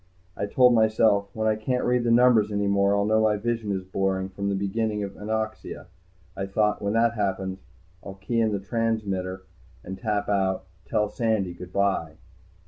I told myself: When I can't read the numbers any more I'll know my vision is blurring from the beginning of anoxia. I thought: When that happens I'll key in the transmitter and tap out, TELL SANDY GOOD BY.